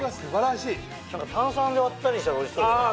炭酸で割ったりしたらおいしそうじゃない？